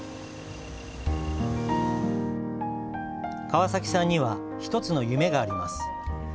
川崎さんには１つの夢があります。